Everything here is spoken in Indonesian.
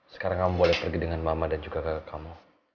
sekarang kamu boleh pergi dengan mama dan juga ke kamu